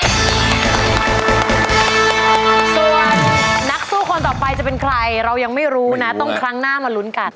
ส่วนนักสู้คนต่อไปจะเป็นใครเรายังไม่รู้นะต้องครั้งหน้ามาลุ้นกัน